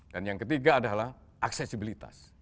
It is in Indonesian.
dan yang ketiga adalah aksesibilitas